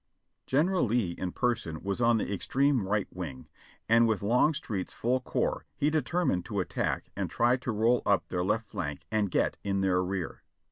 General Lee in person was on the extreme right wing, and with Longstreet's full corps he determined to attack and try to roll up their left flank and get in their rear.